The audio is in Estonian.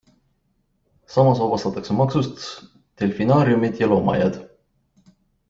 Samas vabastatakse maksust delfinaariumid ja loomaaiad.